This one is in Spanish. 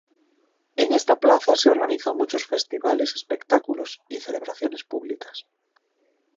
En esta plaza se organizan muchos festivales, espectáculos y celebraciones públicas.